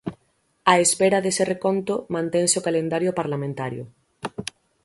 Á espera dese reconto, mantense o calendario parlamentario.